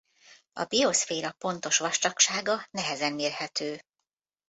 A bioszféra pontos vastagsága nehezen mérhető.